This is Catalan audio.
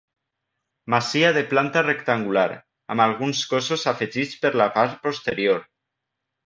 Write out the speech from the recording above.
Masia de planta rectangular, amb alguns cossos afegits per la part posterior.